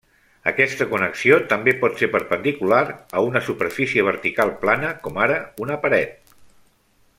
Aquesta connexió també pot ser perpendicular a una superfície vertical plana, com ara una paret.